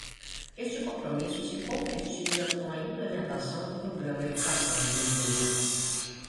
Este compromisso se concretiza com a implementação do Programa Educação Inclusiva